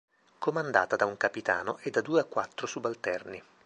Comandata da un capitano e da due a quattro subalterni.